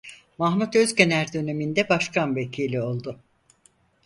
Mahmut Özgener döneminde Başkan Vekili oldu.